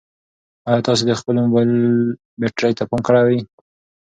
ایا تاسي د خپل موبایل بیټرۍ ته پام کوئ؟